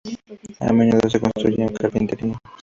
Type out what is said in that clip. A menudo se construye en carpintería.